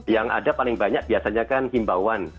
yang ada paling banyak biasanya kan himbauan